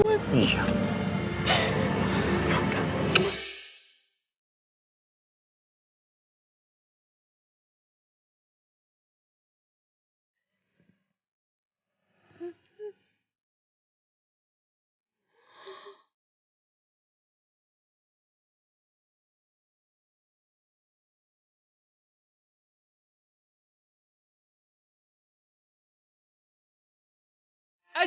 mau porsi takut